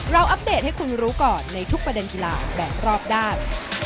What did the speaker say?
อัปเดตให้คุณรู้ก่อนในทุกประเด็นกีฬาแบบรอบด้าน